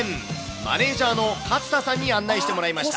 マネージャーの勝田さんに案内してもらいました。